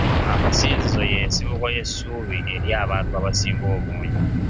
Amazinzizo y'ensibuko y'essuubi eri abantu abasinga obungi.